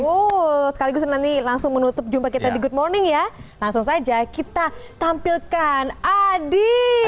oh sekali gue senang nih langsung menutup jumpa kita di good morning ya langsung saja kita tampilkan adit